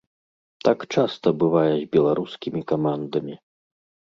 Так часта бывае з беларускімі камандамі.